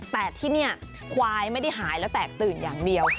แต่ที่นี่ควายไม่ได้หายแล้วแตกตื่นอย่างเดียว